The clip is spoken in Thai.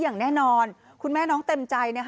อย่างแน่นอนคุณแม่น้องเต็มใจ